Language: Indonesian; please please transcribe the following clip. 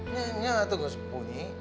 nyenggak tuh gak sepunyi